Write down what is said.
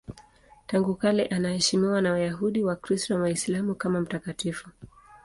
Tangu kale anaheshimiwa na Wayahudi, Wakristo na Waislamu kama mtakatifu.